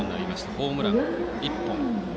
ホームラン１本。